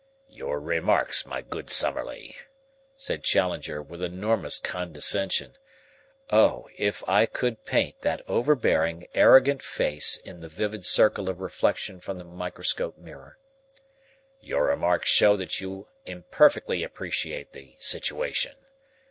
"Your remarks, my good Summerlee," said Challenger with enormous condescension (oh, if I could paint that over bearing, arrogant face in the vivid circle of reflection from the microscope mirror!) "your remarks show that you imperfectly appreciate the situation.